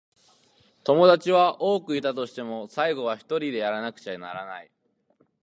友達が多くいたとしても、最後にはひとりでやらなくちゃならない。